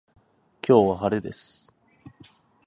今日は晴れです。